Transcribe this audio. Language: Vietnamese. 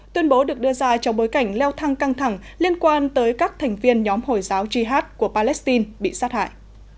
tuyên bố được đưa ra trong bối cảnh leo thăng căng thẳng liên quan tới các thành viên nhóm hồi giáo jihad của palestine bị sát hại